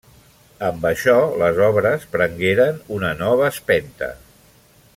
Amb això les obres prengueren una nova espenta.